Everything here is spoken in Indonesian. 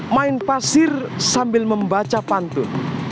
main pasir sambil membaca pantun